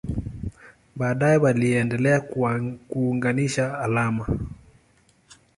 Baadaye waliendelea kuunganisha alama.